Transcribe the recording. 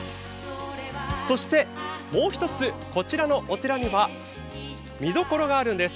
もう一つこちらのお寺には見どころがあるんです。